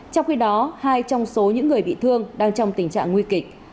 trong khi đó hai trong số những người bị thương đang trong tình trạng nguy kịch